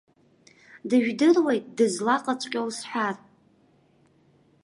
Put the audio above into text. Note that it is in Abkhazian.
Дыжәдыруеит дызлаҟаҵәҟьоу сҳәар.